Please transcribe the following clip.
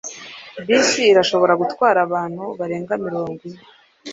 Bisi irashobora gutwara abantu barenga mirongo ine